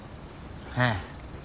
ええ。